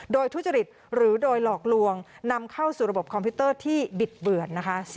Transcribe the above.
โดยทุจริตหรือโดยหลอกลวงนำเข้าสู่ระบบคอมพิวเตอร์ที่บิดเบือนนะคะ